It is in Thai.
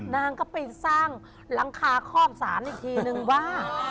นางก็ไปสร้างหลังคาครอบศาลอีกทีนึงว่า